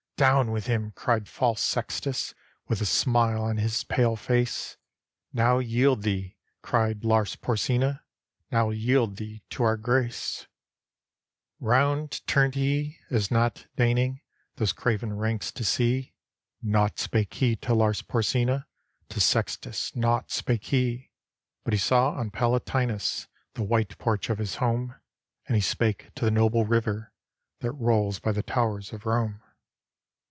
"Down with him!" cried false Sextus, With a smile on his pale face. "Now yield thee," cried Lars Porsena, "Now yield thee to our grace." 285 ROME Round turned he, as not deigning Those craven ranks to see; Naught spake he to Lars Porsena, To Sextus naught spake he; But he saw on Palatinus The white porch of his home; And he spake to the noble river That rolls by the towers of Rome.